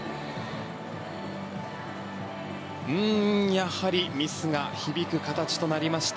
やはりミスが響く形となりました。